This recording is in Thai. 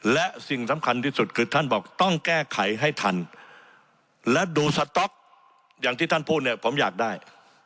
และสิ่งสำคัญที่สุดคือท่านบอกต้องแก้ไขให้ทันและดูสต๊อกอย่างที่ท่านพูดเนี่ยผมอยากได้